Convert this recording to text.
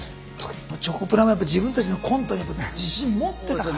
チョコプラもやっぱ自分たちのコントに自信持ってたから。